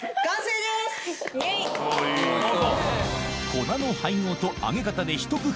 粉の配合と揚げ方でひと工夫